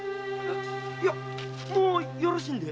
いやもうよろしいんで？